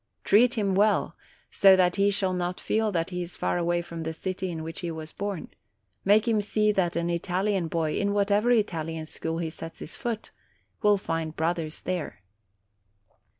Treat him well, so that he shall not feel that he is far away from the city in which he was born ; make him see that an Italian boy, in whatever Italian school he sets his foot, will find brothers there."